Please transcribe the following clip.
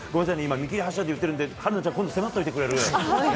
見切り発車で言ってるので春奈ちゃん今度迫っておいてくれる。